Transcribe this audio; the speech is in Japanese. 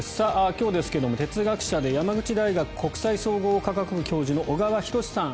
今日ですが、哲学者で山口大学国際総合科学部教授の小川仁志さん